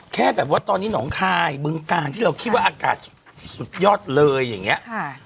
แค่แบบว่าตอนนี้หนองคายบึงกาลที่เราคิดว่าอากาศสุดยอดเลยอย่างนี้